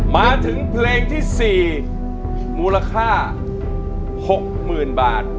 มาถึงเพลงที่๔มูลค่า๖๐๐๐บาท